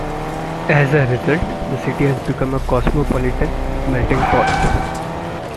As a result, the city has become a cosmopolitan melting pot.